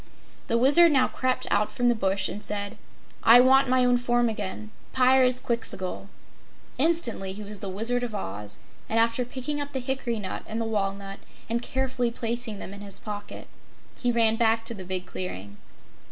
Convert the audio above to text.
The Wizard now crept out from the bush and said: "I want my own form again Pyrzqxgl!" Instantly he was the Wizard of Oz, and after picking up the hickory nut and the walnut, and carefully placing them in his pocket, he ran back to the big clearing.